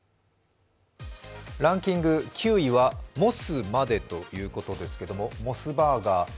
ランキング９位はモスまでということですが、モスバーガー